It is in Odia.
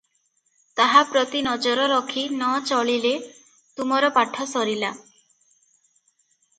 ତାହା ପ୍ରତି ନଜର ରଖି ନ ଚଳିଲେ ତୁମର ପାଠ ସରିଲା ।